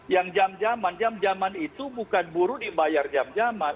yang jam jaman jam jaman itu bukan buruh dibayar jam jaman